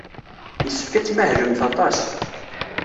Yessefk ad tmahlemt aṭas.